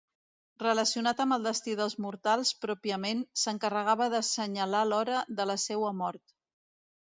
Relacionat amb el destí dels mortals, pròpiament, s'encarregava d'assenyalar l'hora de la seua mort.